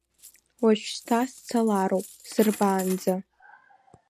Уажәшьҭа сцалароуп, сырбаанӡа!